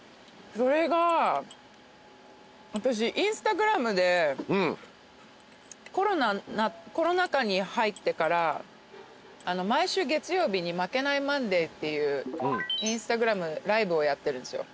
それが私Ｉｎｓｔａｇｒａｍでコロナ禍に入ってから毎週月曜日に『負けないマンデー』っていうＩｎｓｔａｇｒａｍライブをやってるんですよ。